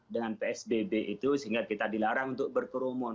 dengan psbb itu sehingga kita dilarang untuk berkerumun